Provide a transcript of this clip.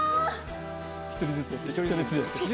１人ずつ。